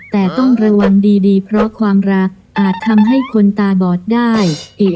แต่ต้องระวังดีเพราะความรักอาจทำให้คนตาบอดได้อีก